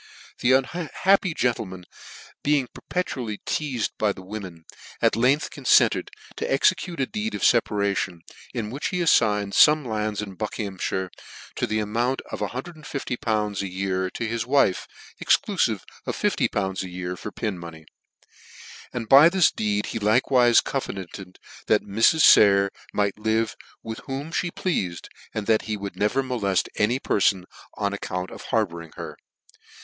The unhappy gentleman, being perpetually teazed by the women, at length confented to. exe cute a deed of ieparation, in which he affigned fome lands in Buckins; hammire, to the amount of o * 150!. a year, to his wife, exclufive of 50!. a year for pin money ; and by this deed he like wife cove nanted that Mrs. Sayer might live with whom me pleafed, ancl that he would never moleft any per 1 Ion on account of harbouring her.